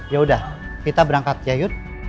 yaudah kita berangkat ya yut